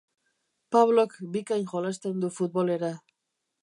Pablok bikain jolasten du futbolera.